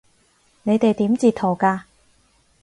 你哋點截圖㗎？